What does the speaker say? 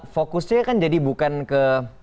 fokusnya kan jadi bukan ke